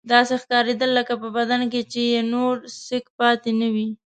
داسې ښکارېدل لکه په بدن کې چې یې نور سېک پاتې نه وي.